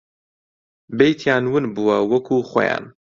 بەیتیان ون بووە وەکوو خۆیان